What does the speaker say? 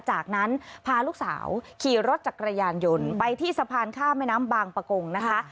จากนั้นพาลูกสาวขี่รถจักรยานยนต์ไปที่สะพานข้ามแม่น้ำบางประกงนะคะ